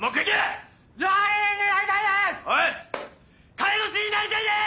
介護士になりたいです！